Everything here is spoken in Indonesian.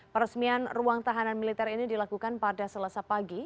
peresmian ruang tahanan militer ini dilakukan pada selasa pagi